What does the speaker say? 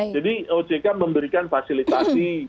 jadi ojk memberikan fasilitasi